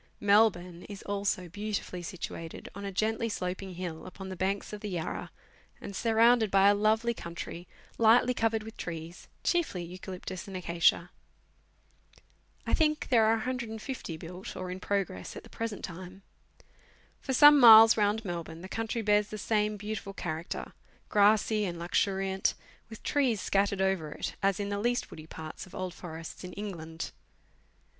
Melbourne is also beautifully situated on a geutly sloping hill, upon the banks of the Yarra, and surrounded by a lovely country, lightly covered with trees, chiefly eucalyptus and acacia. I think there are 150 houses built, or in progress, at the present time. For some miles round Melbourne, the country bears the same beautiful character grassy and luxuriant, with trees scattered over it, as in the k'ust woody parts of old forests in England.